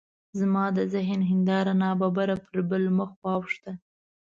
زما د ذهن هنداره ناببره پر بل مخ واوښته.